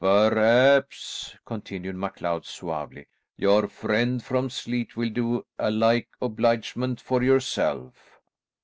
"Perhaps," continued MacLeod suavely, "your friend from Sleat will do a like obligement for yourself."